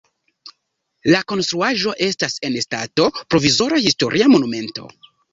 La konstruaĵo estas en stato provizora historia monumento.